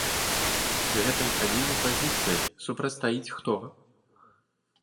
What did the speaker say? Гэтай адзінай пазіцыі супрацьстаіць хто?